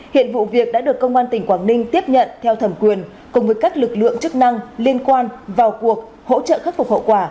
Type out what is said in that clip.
hiện vụ việc đã được công an tỉnh quảng ninh tiếp nhận theo thẩm quyền cùng với các lực lượng chức năng liên quan vào cuộc hỗ trợ khắc phục hậu quả